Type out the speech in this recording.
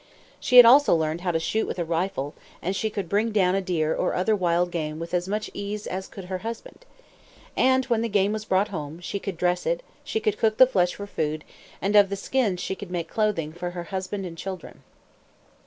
She had also learned how to shoot with a rifle; and she could bring down a deer or other wild game with as much ease as could her husband. And when the game was brought home, she could dress it, she could cook the flesh for food, and of the skins she could make clothing for her husband and children.